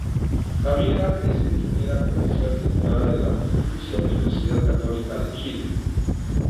Javiera es Ingeniera Comercial titulada de la Pontificia Universidad Católica de Chile.